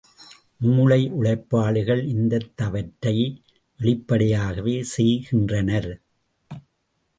மூளை உழைப்பாளிகள் இந்தத் தவற்றை வெளிப்படையாகவே செய்கின்றனர்.